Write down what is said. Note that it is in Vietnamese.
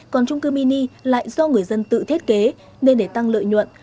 còn trung cư mini lại do người dân tự thiết kế nên để tăng lợi nhuận